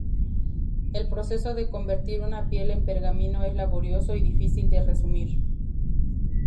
El proceso de convertir una piel en pergamino es laborioso y difícil de resumir.